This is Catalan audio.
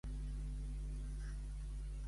Per què la van anomenar Carmenta?